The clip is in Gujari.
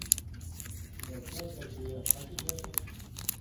بادشاہ کا چیڑا پھٹ گیا تھا